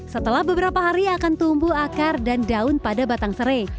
setelah beberapa hari akan tumbuh akar dan daun pada batang serai